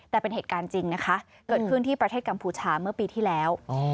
แต่เป็นเหตุการณ์จริงนะคะเกิดขึ้นที่ประเทศกัมพูชาเมื่อปีที่แล้ว